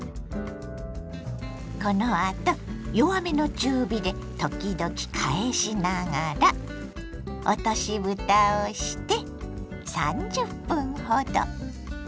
このあと弱めの中火で時々返しながら落としぶたをして３０分ほど。